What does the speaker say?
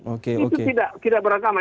itu tidak beragama